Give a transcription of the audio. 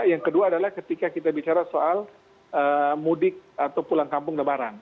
yang kedua adalah ketika kita bicara soal mudik atau pulang kampung lebaran